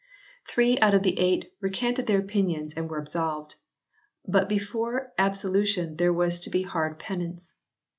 Three out of the eight recanted their opinions and were absolved, but before absolution there was to be hard penance.